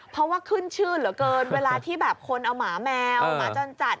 เพราะว่าขึ้นชื่อเหลือเกินเวลาที่แบบคนเอาหมาแมวหมาจรจัด